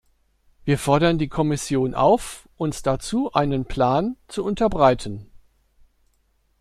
Wir fordern die Kommission auf, uns dazu einen Plan zu unterbreiten.